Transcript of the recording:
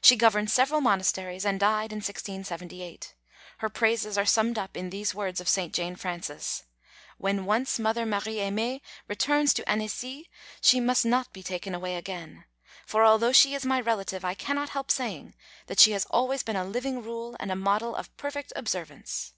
She governed several monasteries and died in 1678. Her praises are summed up in these words of St. Jane Frances: "When once Mother Marie Aimée returns to Annecy she must not be taken away again, for although she is my relative, I cannot help saying that she has always been a living rule and a model of perfect observance."